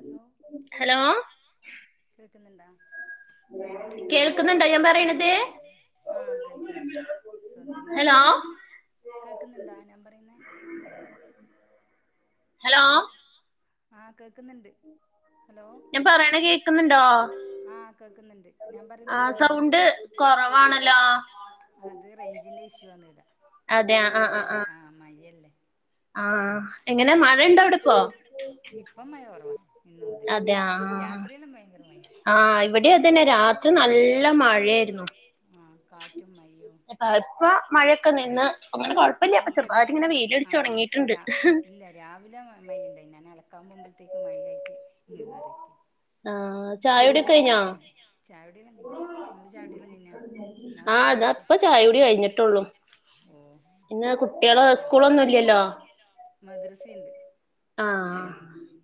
Hello hello കേൾക്കുന്നുണ്ടാ കേൾക്കുന്നുണ്ടോ ഞാൻ പറിണത് ആഹ് കേൾക്കുന്നുണ്ട് സുഖംതന്നെയാ ഹലോ കേൾക്കുന്നുണ്ടാ ഞാൻ പറയുന്നേ ഹലോ ആഹ് കേക്ക്ന്നുണ്ട് ഞാൻ പറയണ കേക്കുന്നുണ്ടോ ആഹ് കേൾക്കുന്നുണ്ട് ഞാൻ പറയുന്ന ആ കേൾക്കുന്നില്ല സൗണ്ട് കൊറവാണല്ലോ അത് റേഞ്ചിന്റെ ഇഷ്യൂ എന്നതാ അതെ ആ ആ ആ മഴയല്ലേ ആഹ് മഴയല്ലേ ആ ണ്ട് എങ്ങനെ മഴണ്ടോ അവിടിപ്പോ ഇപ്പം മഴ കൊറവാ ഇന്ന് മു ഇന്ന് രാത്രിയെല്ലാം ഭയങ്കര മഴയാ ആഹ് ഇവിടിം അതന്നെ രാത്രി നല്ല മഴയായിരുന്നു ആഹ കാറ്റും മഴയും അഹ്പ്പോ മഴയൊക്കെനിന്ന് ഇപ്പങ്ങനെ കൊഴപ്പല്ല ഇപ്പം അപ്പൊ ചെറുങ്ങനെ ചെർതായിട്ട്ങ്ങനെ വെയ്ലടിച്ച് ആഹ് ഇപ്പം തൊട്ങ്ങീറ്റ്ണ്ട്. രാ ഇല്ല രാവിലെ മയെണ്ടയി ഞാൻ അലക്കാൻ പോവുബേതേക്ക്‌ മഴായ്യിട്ട് ഇങ്ങ്കേറി. ആഹ് ഇപ്പം ചായൊടിയെല്ലാം കയ്ഞ് നിങ്ങള്ത് ചായുടില്ലാം കഴിഞ്ഞോ? ആഹ് താപ്പചായുടി കഴിഞ്ഞിട്ടൊള്ളൂ. ഓഹ് ഇന്ന് കുട്ടിയാളെ സ്കൂളൊന്നുംഇല്ലല്ലോ? മദ്രസീണ്ട് ആഹ്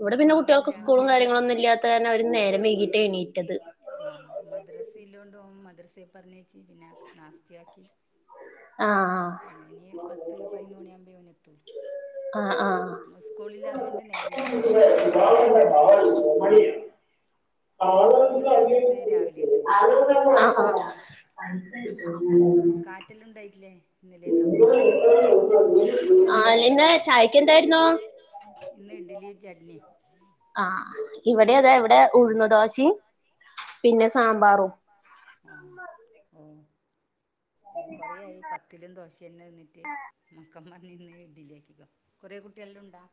ഇവടെ പിന്നെ കുട്ടിയാൾക്ക് രാ സ്കൂളും കാര്യങ്ങളൊന്നും ഇല്ലാത്ത കാരണം അവര് നേരം വൈകിട്ട എണീറ്റത്. ആഹ് മദ്രസിഇല്ലോണ്ട് ഓം മദ്രസി പറഞ്ഞേച്ചി പിന്നെനാസ്തിയാക്കി. ആഹ് അല്ലഞ്ഞി പത്ത് പയ്നൊന്ന് മണിയാവുമ്പേ ഓന് എതൊള്ളു. ആഹ്, ആഹ് മുസ്കൂളില്ലാതോണ്ട് നേരം പറ്റിയ ഇണ്ടാവ ഒംമ്പമണിക്കഇണ്ടാവ. സ്കൂളിൽ അത് ആഹ്, ദിവസം രാവിലെ ഉണ്ടാവും ആഹ് [unintelligible] ത്തിൽ ഉണ്ടായ്ട്ടില്ലേ? ആഹ് ഇന്ന് ചായെക്ക് എന്തായിരുന്നു? ഇന്ന് ഇഡ്ഡലി ചട്നി. ആഹ് ഇവടി അതെ ഇവിടെ ഉഴ്ന്ന് ദോഷിം പിന്നെ സാമ്പാറും. ആഹ് ഓഹ് ഹെ കൊറെയായി പത്തിലും ദോശയെന്നെ തിന്നിട്ട് മക്കംപർഞ്ഞീനി ഇഡ്ലി ആക്കിക്കോ കൊറെ കുട്ടികൾ ഉണ്ടാ?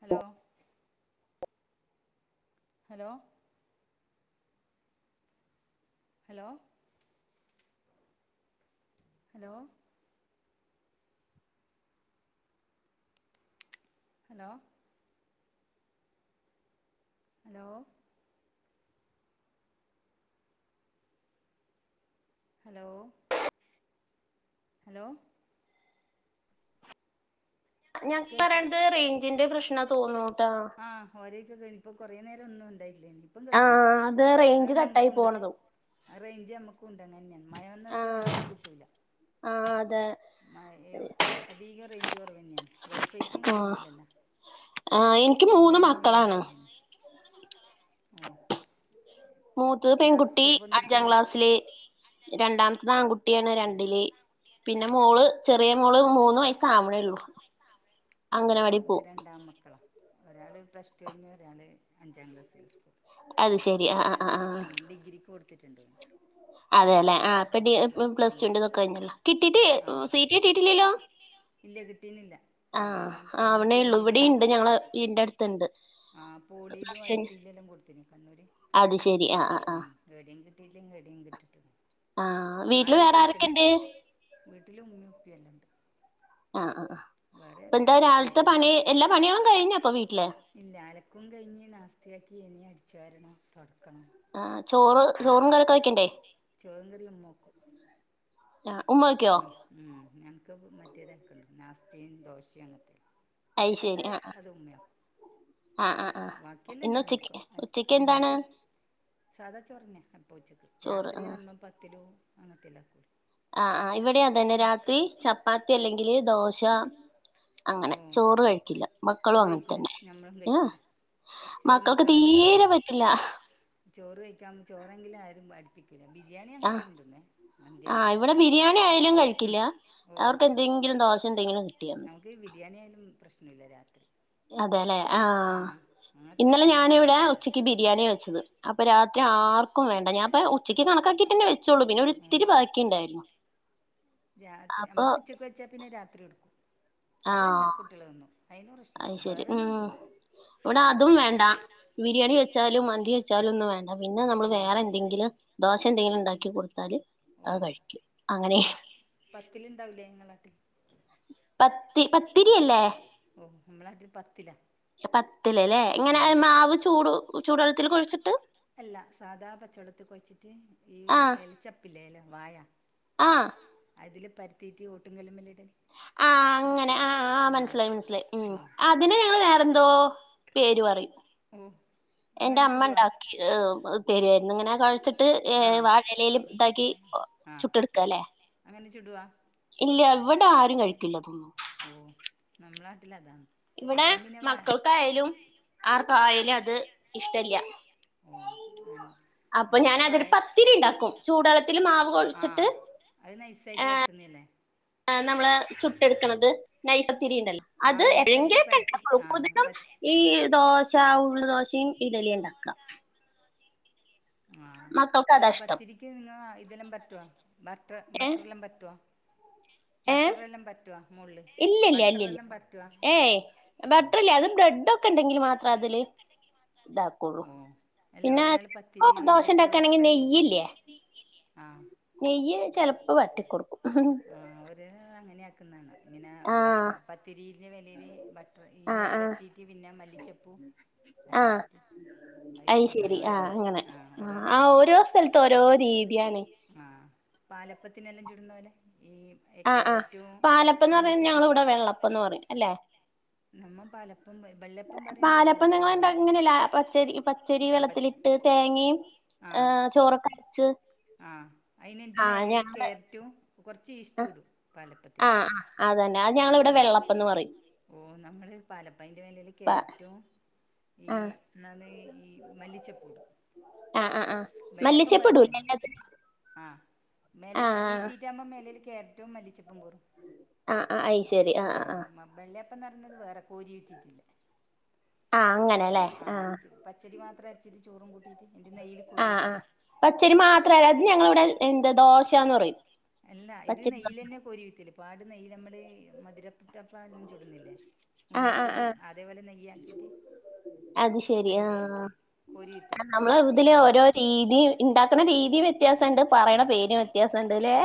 Hello, hello hello hello hello hello hello hello ഞാൻ കേക്ക് പറയ്ണത് റേയ്ഞ്ചിന്റെ പ്രശ്ന തോന്നൂട്ടാ. ഓര് കേറിയിപ്പം കൊറെ നേരം ഒന്നും ഉണ്ടായില്ലേനീ, ഇപ്പൊ കേക്കുന്നു ആഹ് അത് ആഹ് അത് റേഞ്ച് കട്ടായി നമ്മക്കുണ്ട്. പോണതും ആ റേയ്ഞ്ച് അമ്മക്ക് ഉണ്ടങ്ങന്നെ മഴവന്ന ദിവസം ആഹ് ഒന്നും കിട്ടൂല. ആഹ് അതെ മയേ അധീകം റേയ്ഞ്ച് കൊറവെന്നെയാണ്. വൈഫൈക്കും ആഹ് കിട്ടുന്നില്ലല്ലാ ആഹ് എനിക്ക് മൂന്ന് എല്ലേനും റേയ്ഞ്ച് മക്കളാണ് കൊർവ. ആഹ് മൂത്തത് പെൺകുട്ടി പോകുന്നിരിക്കൂലേ അഞ്ചാംക്ലാസ്സില്. രണ്ടാമത്തെത് ആൺകുട്ടിയാണ് രണ്ടില്. പിന്നെ മോള് ചെറിയെ മോള് മൂന്ന് വയസ്സ് ആവ്ണേള്ളു. ഓഹ് ഇൻക്ക്‌ രണ്ട് ആമക്കളാ ഒരാൾ പ്ലസ് റ്റു കയ്ഞ്ഞു ഒരാൾ അഞ്ചാം ക്ലാസ്സില് സ്കൂള് അത് ശെരി ആഹ് ആഹ് ആഹ് ആഹ് ഉം ഡിഗ്രിക്ക്‌ കൊട്ത്തിട്ടുണ്ട് ഓന്. അതെലേ ആ ഇപ്പൊ ഡി ഇപ്രാവശ്യം പ്ല പ്ലസ് ടു പ്ല കഴിഞ്ഞു ടുവിന്റെതൊക്കെ കയ്ഞ്ഞല്ലോ? കിട്ടീട്ട് ആ സീറ്റ് കിട്ടിട്ടില്ലല്ലോ? ഇല്ല കിട്ടീന്നില്ല കിട്ടീല്ല ഓന് ആവണേള്ളൂ പോളില് ഇവിടെണ്ട് അയ്റ്റ് ഞങ്ങളെ വീടിന്റെ അടുത്തുണ്ട് ആഹ് പ്ലസ് പോളിലും ടു ഐ കഴിഞ്ഞ് ടിയിലും എല്ലാം കൊടുതിന് കണ്ണൂര് അത് ശെരി ആഹ് ആഹ് ആഹ് ഉം [unintelligible] ആഹ് വീട്ടില് ആദ്യം വേറെ കൊടുക്കുന്നു ആരൊക്കെണ്ട് വീട്ടിൽ ഉമ്മിഉപ്പിയെല്ലംണ്ട്. ആഹ്, ആഹ് ഇപ്പൊന്താ ആരുമില്ല രാവിലത്തെ ബാക്കിയല്ല പണി എല്ലാ പണികളും കഴിഞ്ഞപ്പൊ വീട്ടില്? ഇല്ല അലക്കും കഴിഞ്ഞ് നാസ്തിയാക്കി ഇനി അടിച്ചുവാരണം തൊടക്കണം. ആഹ് ചോറ് ചോറും കറിയൊക്കെ വെക്കണ്ടേ? ചോറും കറി ഉമ്മ വെക്കും യാ ഉമ്മവെയ്‌ക്കോ ഞങ്ങൾക്ക് മറ്റേതൽക്കണ്ടോ നാസ്തീ ദോശീ അങ്ങനത്തെ അയി ഉച്ചക്കത്ത് ശരി ആ അത് ഉമ്മയാ ആ ആ ആ ബാക്കിയല്ല ഇന്ന് ഞാൻ ഉച്ചക്ക് എടുക്കും ആൽ ക്കും ഉച്ചക്ക് എന്താണ് സാദാ ചോറഞ്ഞ അപ്പ ഉച്ചക്ക് ചോറ് ആ രാത്രി നമ്മൾ പത്തിലോ അങ്ങത്തി ലൊക്കെ കൂടി ആആഇവിടെ അതന്നെ രാത്രി ചപ്പാത്തി അല്ലെങ്കില് ദോശ അങ്ങനെ ഓ ചോറ് കഴിക്കില്ല മക്കളും ചോറ് അങ്ങനെ കഴിക്കൂല തന്നെ ഞമ്മളും ഏ. കഴിക്കൂല ചോറ് മക്കക്ക് മക്കളന്ന് തീരെ പറ്റില്ല ചോറ് കഴിക്കാ ചോറെങ്കിലും ആരും അടുപ്പിക്കില്ല ബിരിയാണി ആ അങ്ങനത്തെന്നേതിന്നെ മന്തി അങ്ങനത്തെ അങ്ങന ആയാലും ഉം കഴിക്കില്ല ഓ അവർക്ക് എന്തെങ്കിലും ദോശ ന്തെങ്കിലും കിട്ടിയാൽ മതി നി ക്ക് ബിരിയാണി ആയാലും പ്രശ്നല്ല രാത്രി അതെല്ലെ ആഹ പിന്നെ ആ അങ്ങനത്തെ ഇന്നലെ എന്തെങ്കിലും ആയാൽ ഞാനിവിടെആ പ്രശ്നമില്ല ഉച്ചക്ക് പിരി ബിരിയാണി വച്ചത് അപ്പ രാത്രി ആർക്കുംവേണ്ട ഞാൻപ്പോ ഉച്ചക്ക് കണക്കാക്കിട്ട്ന്നെ വെച്ചള്ളൂ പിന്നെ ഒരു ഉം ഇത്തിരി ബാക്കി ക്കി ഇണ്ടായിരുന്നു രാത്രി നമക്ക് ഉച്ചക്ക് വെച്ചാ പിന്നെ രാത്രി ഇടുക്കും ആ അതെല്ലാ കുട്ടികള്ന്നും അയ്ന് അത് പ്രശ്നല്ല ശരി വേറെന്നും ഉം തിന്നില്ല ഇവിടെ അതും അങ്ങനത്തെ വേണ്ട വേറൊന്നും ബിരിയാണി വെച്ചാലും മന്തി വെച്ചാലും ഒന്നും വേണ്ട പിന്നെ നമ്മള് ഓ വേറെ എന്തെങ്കിലും ദോശ എന്തെങ്കിലും ഇണ്ടാക്കി കൊടുത്താല് ഓ അത് കഴിക്കും അങ്ങനെ പത്തിൽണ്ടാവില്ലേ ങ്ങളാട്ടിൽ പത്തി പത്തിരിയല്ലേ ഓ നമ്മളക്ക പത്തിലാ പത്തിലലെ ആ ഇങ്ങനെ മാവ് ചൂട് ചൂടള്ളത്തില് കൊഴ്ച്ചിട്ട് അല്ല സാധാ പച്ചവെള്ളത്തി കൊയിച്ചിട്ട് ഈ ആഹ് എലിച്ചെപ്പില്ലേ എല വാഴ ആഹ് അതില് പരുത്തീറ്റ് ഓട്ടും കല്ലുമല് ഇടൽ ആ അങ്ങനെ ആ ആഹ് മനസ്സിലായി മനസ്സിലായി ഉം ആ അതിന് ഞങ്ങള് വേറെന്തോ പേര് പറയും ഉം എന്റെ അമ്മ ഇണ്ടാക്കി പെരെയിരുന്നിങ്ങനെ കൊഴച്ചിട്ട് ആ വാഴ ഇലേല് ഇതാക്കി ആ ചുട്ട് എടുക്കാ ല്ലേ അങ്ങനെ ചുടുവാ ഇല്ല ഇവിടെ ആരും കഴിക്കില്ല തോന്ന് ഓ നമ്മള നാട്ടിലതാ ഇവിടെ മക്കൾക്കായാലും ആർക്കായാലും അത് ഇഷ്ടില്യ ഉം അപ്പൊ ഞാനതൊരു പത്തിരി ഇണ്ടാക്കും ചൂടള്ളത്തില് മാവ് ആ കൊഴച്ചിട്ട് അത് നൈസായിട്ട് പരത്തുന്നല്ലേ ആ നമ്മള ചുട്ടെടുക്കണത് നൈസ് പത്തിരി ഇണ്ടല്ലോ ആ അത് നൈസായിട്ട് എങ്കേ പരത്തി കഴിക്കുള്ളു ആ കൊതികം പ ഈ ദോശ ഉള്ള് ദോശേം ഇഡലിയിണ്ടാക്കാ ആ മക്കൾക്ക് അല്ല അതാ ഇഷ്ടം പത്തിരിക്ക് നിങ്ങ ഇതെല്ലാം പറ്റോ ബട്ടർ ബട്ടറെല്ലാം പറ്റുവോ ഏഹ് ബട്ടറെല്ലാം പറ്റുവോ മോളില് ഇല്ലില്ല ഇല്ലില്ല ബട്ടറെല്ലാം പറ്റുവോ ഏയ് ഓ ബട്ടറില്ല അതും ബ്രെഡും ഒക്കെണ്ടെങ്കിൽ മാത്രം അതില് ഇതാക്കും പുളു ഓ അല്ല പിന്നാ ഒരാൾ ഇപ്പൊ പത്തിരിയിൽ ബട്ടർ ദോശിണ്ടാക്കാണങ്കി പരത്തിയിട്ട് നെയ്യില്ലേ ആ നെയ്യ് ചെലപ്പോ വറ്റി കൊടുക്കും ആ അവര് അങ്ങനെയാക്കുന്നാണ് ഇങ്ങനെ ആഹ് ബട്ടർ പത്തിരില് വെലീല് ബട്ടർ ഈ ആഹ് നെയ്യ് ആഹ് വര്ത്തിയിട്ട് പിന്നെ മല്ലിച്ചെപ്പൂ ആഹ് അല്ലിട്ടിട്ട് അയ് ശെരി ആഹ് അങ്ങനെ ആ ഓരോ ആ നാട്ടിലാണ് ഓരോ സ്ഥലത്ത് ഓരോ രീതിയാണ് ആ പാലപ്പത്തിനെല്ലാം ചുടുന്ന പോലെ ഈ ആഹ് ആഹ്. ക്യാരറ്റും പാലപ്പന്ന് പറഞ്ഞ മല്ലിച്ചപ്പും ഞങ്ങളിവിടെ വെള്ളപ്പന്ന് പറയും അല്ലെ നമ്മ പാലപ്പം വെള്ളപ്പം പറയണ്ട് പാലപ്പം നിങ്ങളുണ്ട പറയണ്ട് ഇങ്ങനല്ലെ പച്ചരി പച്ചരി ആഹ് പച്ച വെള്ളത്തിലി ട്ട് തെങ്ങേം അ ആഹ് ചോറൊക്കെ വെച്ച് ആഹ് അയിലെൻറ്റ് മേലേല് ക്യാരറ്റും കൊർച്ച് ആഹ് ഈസ്റ്റൂടും പാലപ്പത്തിന് ആഹ് അതന്നാ ഞങൾടെ പ്പന്ന് പറയും ഓ നമ്മള് പാലപ്പയ്ന്റെ മേലേല് പ ക്യാരറ്റും ഈ ആഹ് നന്ദി ഈ മല്ലിച്ചെപ്പൂടും ആ ആ ആ മല്ലിച്ചെപ്പിടൂലെ പരത്തൻ എല്ലാതിലും ആ മേലെ ബീ ആഹ് തീറ്റാവുബം മേലേല് ക്യാര്റ്റും മല്ലിച്ചെപ്പും പെറും ആഹ് ആഹ് അയി ശരി ആഹ് ആഹ് ആഹ് വെള്ളേപ്പം ന്ന് പറിയ്ന്നത് വേറെ കോരി വെറ്റീട്ടിള്ള ആഹ് ആ അങ്ങനെല്ലേ അങ്ങനെ ആ ആഹ് അര്ച്ച് പച്ചരി മാത്രം അര്ച്ചീട്ട് ചോറും കൂട്ടീറ്റ് എന്നിട്ട് നെയ്യില് ക്കു ആഹ് ആഹ്. പച്ചരി മാത്രല്ല അത് ഞങ്ങളവിടെ എന്താ ദോശാന്ന് പറയും അല്ല ഇത് പച്ചരി ദോശ നെയ്യിലന്നെ കോരി എട്ക്കല്. പാട് നെയ്യലമ്മള് മധുരറ്റപ്പാനെല്ലാം ചുടുന്നില്ലേ ആഹ് ആഹ് ഉണ്ണിപ്പന് ആഹ് അതേപോലെ നെയ്യാക്കീറ്റ് അത് അയ്ലേക്കല് കോരി വിത്തല് നമ്മള ഇതില് ഓരോ രീതീ ഇണ്ടാക്കണ രീതി വ്യത്യാസൊണ്ട് പറയണ പേരും വ്യത്യാസിണ്ട് ല്ലെ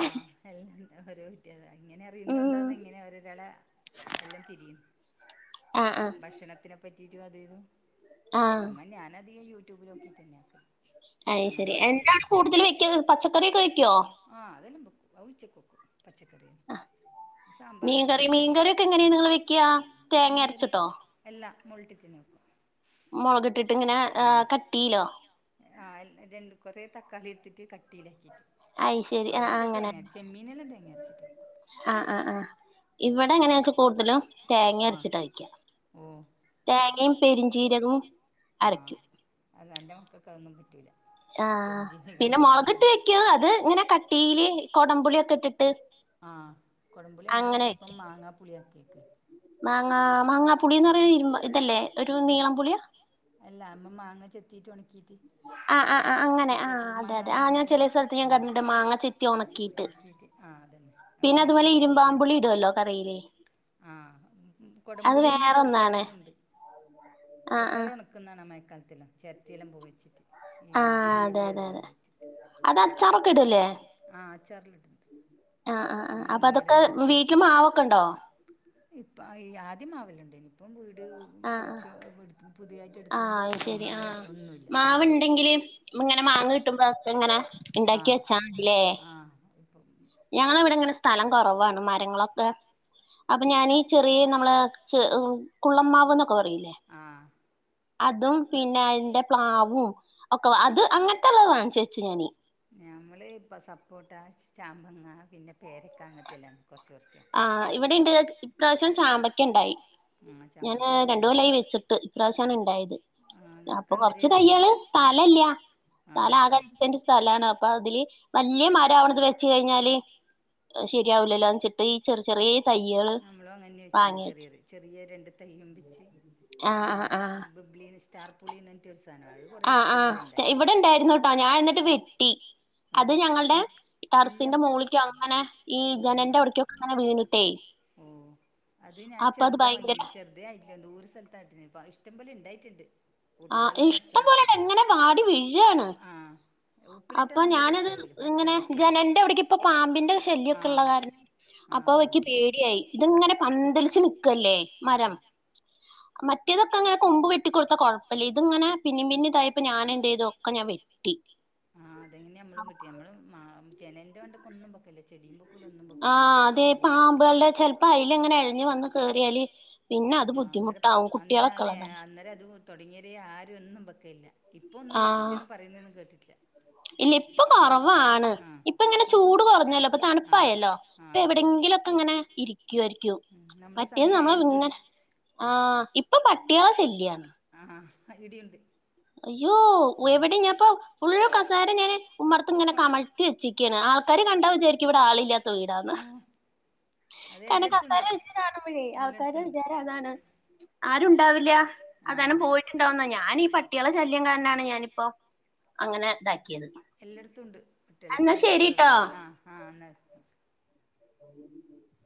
അൽഹംദ് ഓരോ വിത്യാ അങ്ങനെ ഉം അറിയുന്നുണ്ടോന്ന് എങ്ങനെ ഒരുതല എല്ലാം തിരിയും ആഹ് ആഹ് ഭക്ഷണത്തിനെ പറ്റീറ്റും അതേതും ആഹ് നമ്മ ഞനധികം യൂട്യൂബിലൊ ക്കീറ്റന്നെ ആക്കല് അയ് അങ്ങനെ ശരി. പഠിച്ചതാ എന്താണ് കൂടുതല് വെക്കല് പച്ചക്കറിയൊക്കെ വെക്കോ ആഹ് അതല്ലാം ബെക്കും. അത് ഉച്ചകക്കും പച്ചക്കറിയന സാമ്പാറു മീൻകറി അങ്ങൻതെനും വെക്ക. മീൻകറിയൊക്കെ മീൻകറി, എങ്ങനെയാ മീൻ കറി എങ്ങനെണ് വെക്ക നിങ്ങള് വെക്യാ. തേങ്ങ അരച്ചിട്ടോ തേങ്ങര്ച്ച്ട്ടൊ. അല്ല. മോള് ഇട്ട്ട്ടെന്നെ വെക്ക മുളക് ഇട്ടിട്ട് ഇങ്ങനെ കട്ടീലോ ആഹ്. എൽ രണ്ട് കൊറേ തക്കാളി ഇട്ടിട്ട് കട്ടീലാക്കീറ്റ് അയ് ശെരി ആഹ് ആഹ് അവരൊക്കെ അങ്ങനെ തെങ്ങ. ചെമ്മീനെല്ലാം തെങ്ങാര്ച്ചിട്ട് വെക്കും ആഹ് ആഹ് ആഹ്. ഇവടെ എങ്ങനെയാച്ചാ കൂട്തലും തേങ്ങ ആഹ് അര്ച്ചിട്ടാ വെയ്ക്ക. ഓഹ് തേങ്ങയും പെരിഞ്ചീരകവും അരക്കും അതെ എൻ്റെ മക്കൾക്ക് അത് ഒന്നും പറ്റൂല്ല ആഹ്. പിന്നെ മുളക് ഇട്ട് വെകും. അത് ഇങ്ങനെ കട്ടീല് കൊടം പുളിയൊക്കെ ഇട്ടിട്ട് ആ കൊടംമ്പുളി നമ്മള് അങ്ങനെ ഇപ്പം വെക്കും മാങ്ങാ പുളിയാകീക്ക് മാങ്ങാ മാങ്ങാപ്പുളി എന്ന് പറയ് ഇര് ഇതല്ലേ ഒരു അമ്മ നീളം പുളി ആ അല്ല നമ്മ മാങ്ങ ചെത്തീറ്റ് ഒണക്കീറ്റ്. ആഹ് ആഹ് ആ അങ്ങനെ. ആഹ് അതെ അതെ ആ ഞാൻ പറയുന്നെ ചെലേ സെൽത്ത് ഞാൻ ഉം കണ്ടീണ്ട്‌ മാങ്ങ ചെത്തി ഒണക്കീട്ട് ഉണക്കിയിട്ട് ആഹ് അതന്നെ അത് പിന്നെ അതുപോലെ ഉണക്കിയിട്ട് കുപ്പില് ഇരുമ്പാബുളി ഇടൊല്ലോ കറീല്. ആഹ്. മ് മ്. കൊടപുളിന്നെ വേറൊന്നാണ് പൊർക്കാനെലോം ഉണ്ട്. ആഹ് ആഹ്. ക്കുന്നാണ് മയക്കാൽത്തെല്ലാം. ചെര്റ്റെല്ലാം പൂകവെച്ചിട്ട്. ഈ ആഹ്. അതെ ചീരിയും അതെ അതെല്ലാം അതെ. പോയിച്ചിട്ട് അത് അച്ചാറൊക്കെ ഇടു അല്ലേ. ആഹ്. ആച്ചാറെല്ലാം ഇടും ആഹ് ആഹ് ആഹ്. അപ്പൊ അതൊക്കെ വീട്ടില് മാവൊക്കെ ഉണ്ടോ ഇപ്പം ഈ ആദ്യം മാവെല്ലാം ഉണ്ടായിനി ഇപ്പം വീട് ആഹ് ആഹ് പൊളിച്ച് എട്ത് പുതിയായിറ്റ് ആഹ് എട്ത്തൊണ്ട് അത് ശരി മാവ് ആഹ് ഒന്നുല്ല എല്ലാം പോയി. മാവുണ്ടെങ്കില് ഇങ്ങനെ മാങ്ങ കിട്ടുമ്പോ ഒക്കെ ഇങ്ങനെ ഇണ്ടാക്കി ആഹ് വെച്ചാ മതില്ലേ ആഹ് ഇപ്പം ഞങ്ങളെ ഇവിടെ ഇങ്ങനെ സ്ഥലം കൊറവാണ് മരങ്ങളൊക്കെ അപ്പൊ ഞാനീ ചെറിയ നമ്മളെ ച കുള്ളമാവ് എന്നൊക്കെ പറയില്ലേ. ആഹ് അതും പിന്നെ അതിന്റെ പ്ലാവും ഒക്കെ അത് അങ്ങനത്തെള്ളത് വാങ്ങിച്ചു വെച്ചു ഞാന്. ഞമ്മള് ഇപ്പ സപ്പോട്ട ചാമ്പങ്ങ പിന്നെ പേരക്ക അങ്ങനത്തെല്ലാണ്. കുറച് കുറച്. ആ ഇവിടെ ഇണ്ട് ഇപ്രാവശ്യം ചാമ്പക്ക ഉണ്ടായി ആഹ് ഞാന് ചാമ്പക്കയെല്ലാം രണ്ടു ഉണ്ടേനി കൊല്ലായി വെച്ചിട്ട്. പ്രാവശ്യമാണ് ഉണ്ടായത് ആഹ് അപ്പൊ നിനക്ക് കൊറച്ച് അന്നേരം ഉണ്ടേനി തയ്യകള് സ്ഥലല്ല ആഹ് സ്ഥലം സ്ഥ ആ ആകെ. അഞ്ച് സെന്റ് സ്ഥലമാണ് അപ്പൊ അതില് വല്യ മ രാവണത് വെച് കഴിഞ്ഞാല് ശരിയാവില്ലല്ലോ എന്ന് വച്ചിട്ട്. നമ്മളോ അങ്ങനെ വെച്ചിന് വാങ്ങി വെച്ചു ചെറിയ ചെറിയ രണ്ട് തയ്യും വെച്ച്. ആഹ് ആഹ് ആഹ്. ബബ്ലിൻ സ്റ്റാർ പുളി എന്ന് പറഞ്ഞിട്ട് ഒരു സാദനം ആത്. ആഹ് ആഹ് ഇവിടെണ്ടായിരുന്നുട്ടോ ഞാൻ എന്നിട്ട് വെട്ടി. ഓ അത് ഞങ്ങളുടെ വല്യ ടറസിന്റെ മുകളക്കോ അങ്ങനെ ഈ ഓ ജനലിന്റെ അവിടക്കോ. അങ്ങനെ വീണിട്ടേയ് ഓ അത് ഞാൻ ചെറുത ഭയങ്കര വങ്ങീന് ചെറുതയ. ഇല്ല ദൂര സ്ഥലത്തായിട്ട ഇപ്പ ഇഷ്ടം പോലെ ഉണ്ടായിട്ടുണ്ട്. ആ കുട്ടികളെല്ലാം ഇഷ്ടം പറിച്ചോണ്ട് പോലെ ഉണ്ട് പോക്കാ ഇങ്ങനെ വാടി വീഴയാണ്. ആ ഉപ്പിലിട്ടാ അപ്പൊ നല്ല ഞാനത് രസാ പോലും ഇങ്ങനെ ഞാൻ അച്ചാറാക്കിയാലോ ജനലിൻറെ ഇവിടേക്ക് ഇപ്പൊ പാമ്പിന്റെ ആ ശല്യൊക്കെ ഉള്ള കാരണം. ആ അപ്പോ ഇക്ക് പാമ്പിന് പേടിയായി. ഇത്ങ്ങനെ പന്തലിച്ച് നിൽക്കല്ലേ ആ മരം മറ്റേതൊക്കെ അങ്ങനെ കൊമ്പ് വെട്ടിക്കൊടു. കുഴപ്പല്ല ഇത്ങ്ങന പിന്ന പിന്ന ഇതായപ്പോ ഞാനന്ത് ചെയ്തോ ഒക്കെ ഞാൻ വെട്ടി. ആഹ്, അ തെങ്ങന്നെ അമ്മളും വെട്ട്യേ, അമ്മള് മാ ജനൽന്റെ അണ്ട്ക്കൊന്നും വെക്കലില്ല. ചെടിയും വെക്കൂല ഒന്നും വെക്കൂല ആഹ്, അന്നേരം ഈ അതെ പാമ്പിന്റെ പാമ്പ്കൾടെ ചെൽപ്പോ അയ്ലെങ്ങനെ എഴഞ്ഞ് വന്ന് കേറിയാല്. പിന്നെ അത് ആഹ് അന്നരപ്പ ബുദ്ധിമുട്ടാവും അന്നര കുട്ടികളൊക്കെ ആന്നെ ഉള്ളതല്ലേ അന്നര അതു തൊടങ്ങിയെരേ ആരു ഒന്നും പക്കേല്ല്യ. ഇപ്പൊ ഒന്നും ആഹ് അങ്ങൻത്തേന്നും പറയുന്നേന്നും കേട്ടി ഇല്ല, ഇപ്പൊ കൊറവാണ്. ആഹ് ഇപ്പങ്ങനെ ഇപ്പം ചൂട് കൊറഞ്ഞല്ലോ പ്പൊ ആഹ് തണ്പ്പായല്ലോ, ഇപ്പൊ ആഹ് പോന്നു എവിടെങ്കിലൊക്കെ ങ്ങനെ ഇരിയ്ക്കേരി ഉം നമ്മളെ മറ്റേത് നമ്മൾ സമയായിരിക്കൂലേ ഇങ്ങനെ ആഹ് ഇപ്പൊ പട്ട്യേള ശല്യാണ്. ആഹ് ആഹ് അയ് വിട്യുണ്ട്. അയ്യോ ഒ എവിടിം ഞാപോ ഫുൾ കസേര ഞാന് ഉമ്മർത്ങ്ങനെ കമഴ്ത്തി വെച്ചേയ്ക്കാണ്. ആൾക്കാര് കണ്ടാ വിചാരിയ്ക്കും ഇവടെ ആളില്ല്യാ ത്ത കേവീടാന്ന് ഓഹ് അത് കാര്ണം എല്ലായിടത്തും കസാര ഉണ്ട് വെച്ച് കാണുമ്പഴേ ആൾക്കാരെ എല്ലായിടത്തും ഉണ്ട് വിചാരം അതാണ്. ആരുണ്ടാവില്ല്യാ. അവ്‌സാനം ആഹ് പോയിട്ടുണ്ടാവുന്ന ഞാനീ പ. ട്ട്യളെ ശല്ല്യം കാര്നാണ് ഞാനിപ്പോ അങ്ങനെ താ എല്ലടത്തുണ്ട് ട്ട്യള് ഇപ്പ മ്പ ശരിട്ടോ [unintelligible] ആഹ് ആഹ് ന്നാ [unintelligible]